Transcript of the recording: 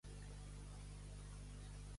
Mula moïna, el dimoni que l'esquili.